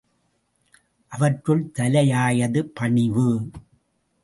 அவற்றுள் தலையாயது பணிவு.